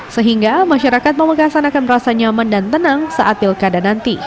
sehingga masyarakat pamekasan akan merasa nyaman dan tenang saat pilkada nanti